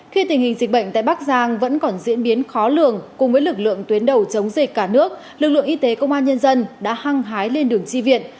khi tình hình dịch bệnh tại bắc giang vẫn còn diễn biến khó lường cùng với lực lượng tuyến đầu chống dịch cả nước lực lượng y tế công an nhân dân đã hăng hái lên đường chi viện